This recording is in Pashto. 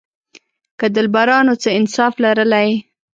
که دلبرانو څه انصاف لرلای.